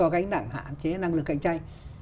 gánh nặng hạn chế năng lực cạnh tranh